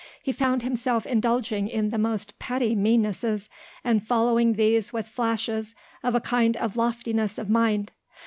He found himself indulging in the most petty meannesses, and following these with flashes of a kind of loftiness of mind.